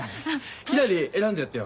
ひらり選んでやってよ。